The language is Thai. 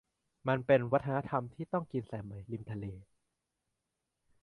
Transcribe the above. มันเป็นวัฒนธรรมที่ต้องกินสายไหมริมทะเล